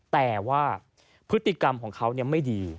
แต่ว่าพฤติกรรมของเขาไม่ดี